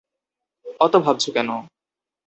অত ভাবছ কেন?